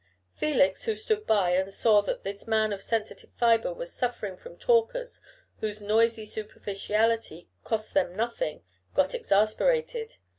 Felix, who stood by and saw that this man of sensitive fibre was suffering from talkers whose noisy superficiality cost them nothing, got exasperated.